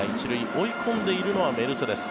追い込んでいるのはメルセデス。